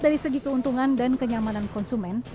dari segi keuntungan dan kenyamanan konsumen